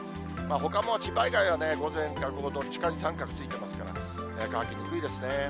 ほかも千葉以外は午前か午後、どっちかに三角ついてますから、乾きにくいですね。